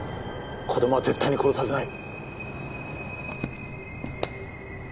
子供は絶対に殺させない。